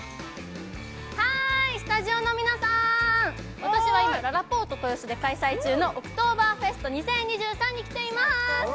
スタジオの皆さん、私は今、ららぽーと豊洲で開催中のオクトーバーフェスト２０２３に来ています。